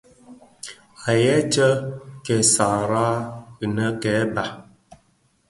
Àa yêê tsee kêê sààghràg inë kêê bàgi.